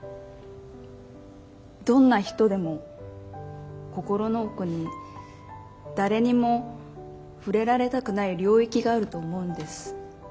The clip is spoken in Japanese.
どんな人でも心の奥に誰にも触れられたくない領域があると思うんです。